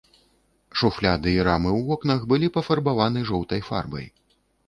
Шуфляды і рамы ў вокнах былі пафарбаваны жоўтай фарбай.